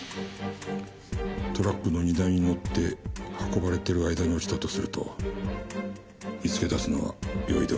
トラックの荷台に載って運ばれてる間に落ちたとすると見つけ出すのは容易ではないな。